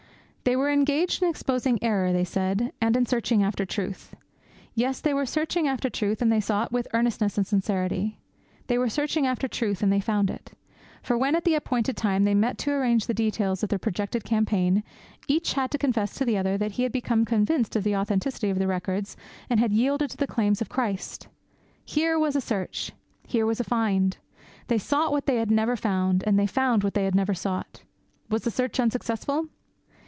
They were engaged in exposing error, they said, and in searching after truth. Yes, they were searching after truth, and they sought with earnestness and sincerity. They were searching after truth, and they found it. For when, at the appointed time, they met to arrange the details of their projected campaign, each had to confess to the other that he had become convinced of the authenticity of the records and had yielded to the claims of Christ! Here was a search! Here was a find! They sought what they never found, and they found what they never sought. Was the search unsuccessful?